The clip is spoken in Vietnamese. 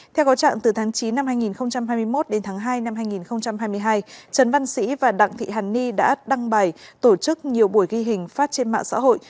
theo có trạng từ tháng chín năm hai nghìn hai mươi một đến tháng hai năm hai nghìn hai mươi hai trần văn sĩ và đặng thị hàn ni đã đăng bài tổ chức nhiều buổi ghi hình phát trên mạng xã hội